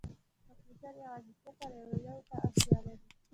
کمپیوټر یوازې صفر او یو ته اړتیا لري.